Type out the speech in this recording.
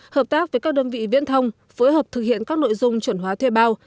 hợp tác với các đơn vị viễn thông phối hợp thực hiện các nội dung chuẩn hóa thuê bao